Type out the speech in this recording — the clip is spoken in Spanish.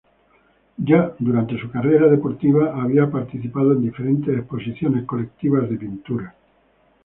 Ya durante su carrera deportiva había participado en diferentes exposiciones colectivas de pintura.